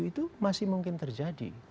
itu masih mungkin terjadi